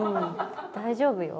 大丈夫よ。